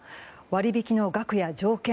割引の額や条件